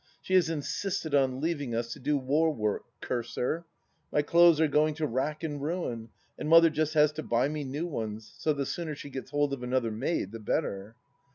She has insisted on leaving us to do war work, curse her I My clothes are going to rack and ruin, and Mother just has to buy me new ones, so the sooner she gets hold of another maid the better.